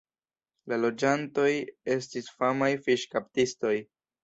La loĝantoj estis famaj fiŝkaptistoj.